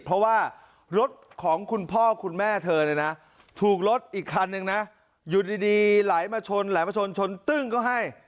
เพราะว่ารถของคุณพ่อคุณแม่เธอเนี่ยนะถูกรถอีกคันนึงนะอยู่ดีไหลมาชนไหลมาชนชนตึ้งก็ให้